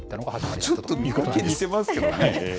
ちょっと見かけ似てますけどね。